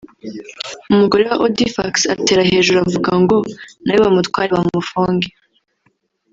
umugore wa Audifax atera hejuru avuga ngo nawe bamutware bamufunge